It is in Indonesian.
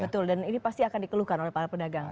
betul dan ini pasti akan dikeluhkan oleh para pedagang